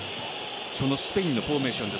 そのスペインのフォーメーションです。